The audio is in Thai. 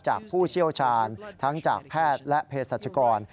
ผู้เชี่ยวชาญทั้งจากแพทย์และเพศรัชกร